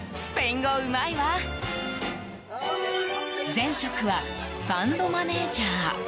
前職はファンドマネジャー。